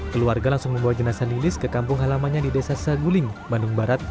keluarga langsung membawa jenazah nilis ke kampung halamannya di desa saguling bandung barat